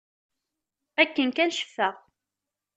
Akken kan ccfeɣ.